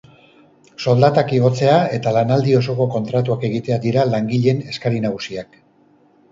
Soldatak igotzea eta lanaldi osoko kontratuak egitea dira langileen eskari nagusiak.